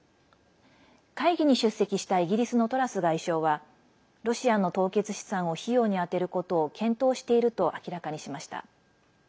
会議に出席したイギリスのトラス外相はロシアの凍結資産を費用にあてることを検討していると明らかにしました。